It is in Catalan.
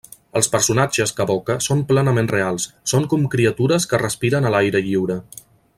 Els personatges que evoca són plenament reals, són com criatures que respiren a l’aire lliure.